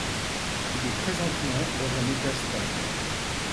Il est présentement dans un état stable.